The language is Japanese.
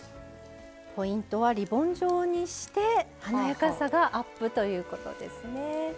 ポイントはリボン状にして華やかさがアップということですね。